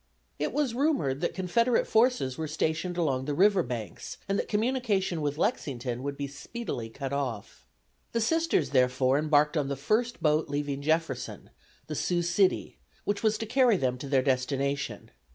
It was rumored that Confederate forces were stationed along the river banks, and that communication with Lexington would be speedily cut off. The Sisters, therefore, embarked on the first boat leaving Jefferson, the "Sioux City," which was to carry them to their destination.